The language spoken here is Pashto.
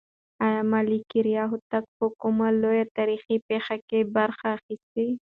آیا ملکیار هوتک په کومه لویه تاریخي پېښه کې برخه اخیستې؟